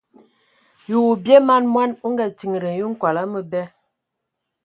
Ye o bie man mɔn, o nga tindi nkol a məbɛ.